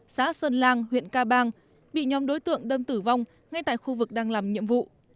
xã sơn lang huyện ca bang bị nhóm đối tượng đâm tử vong ngay tại khu vực đang làm nhiệm vụ